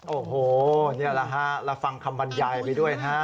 โอ้โหนี่แหละฮะเราฟังคำบรรยายไปด้วยนะฮะ